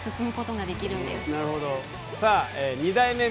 なるほど。